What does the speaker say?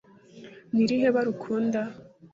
ni irihe bara ukunda ?